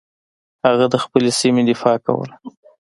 هغه د خپلې سیمې دفاع کوله.